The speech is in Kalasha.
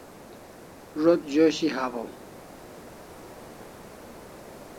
Zo't z'oshi hawaw